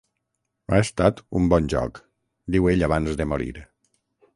"Ha estat un bon joc", diu ell abans de morir.